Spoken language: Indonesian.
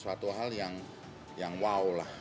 suatu hal yang wow lah